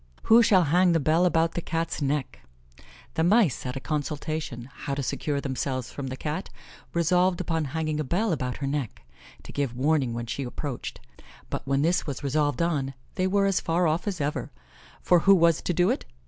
"Who shall hang the bell about the Cat's neck." The mice at a consultation, how to secure themselves from the Cat, resolved upon hanging a bell about her neck, to give warning when she approached; but when this was resolved on, they were as far off as ever, for who was to do it?